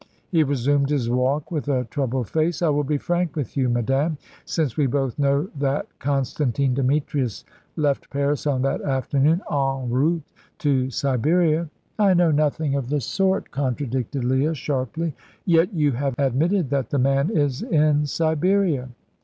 He resumed his walk with a troubled face. "I will be frank with you, madame, since we both know that Constantine Demetrius left Paris on that afternoon en route to Siberia." "I know nothing of the sort," contradicted Leah, sharply. "Yet you have just admitted that the man is in Siberia."